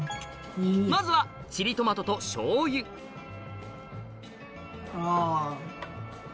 まずはチリトマトとしょう油あ。